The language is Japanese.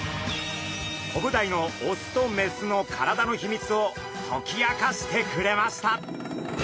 コブダイのオスとメスの体の秘密を解き明かしてくれました。